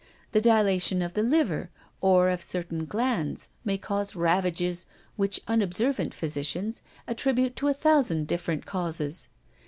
The dilatation of the liver or of certain glands may cause ravages which unobservant physicians attribute to a thousand different causes.